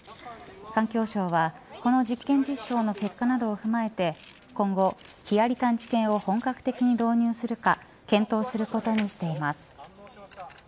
環境省はこの実験実証の結果などを踏まえて今後、ヒアリ探知犬を本格的に導入するか検討することにしています。